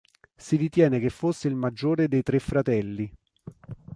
Si ritiene che fosse il maggiore dei tre fratelli.